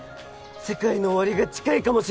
世界の終わりが近いかもしれない！